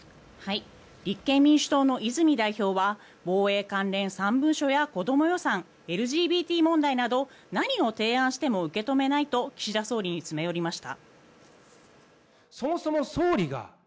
立憲民主党の泉代表は防衛関連３文書や子ども予算、ＬＧＢＴ問題など何を提案しても受け止めないと岸田総理に詰め寄りました。